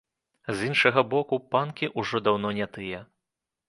З іншага боку, панкі ўжо даўно не тыя.